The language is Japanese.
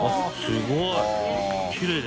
すごい！